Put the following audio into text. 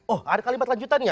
oh ada kalimat lanjutannya